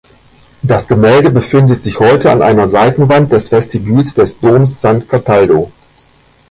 Das Gemälde befindet sich heute an einer Seitenwand des Vestibüls des Doms San Cataldo.